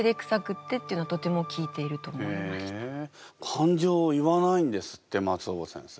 感情を言わないんですって松尾葉先生。